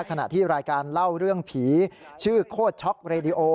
ขณะที่รายการเล่าเรื่องผีชื่อโคตรช็อกเรดิโอ